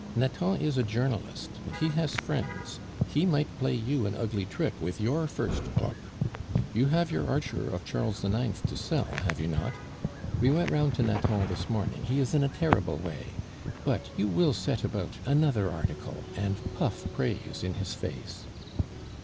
"Nathan is a journalist, and he has friends; he might play you an ugly trick with your first book. You have your Archer of Charles IX. to sell, have you not? We went round to Nathan this morning; he is in a terrible way. But you will set about another article, and puff praise in his face."